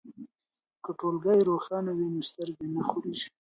که ټولګی روښانه وي نو سترګې نه خوږیږي.